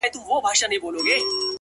څوک وایي گران دی، څوک وای آسان دی،